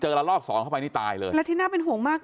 ละรอบสองเข้าไปนี่ตายเลยและที่น่าเป็นห่วงมาก